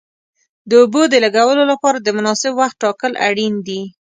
د اوبو د لګولو لپاره د مناسب وخت ټاکل اړین دي.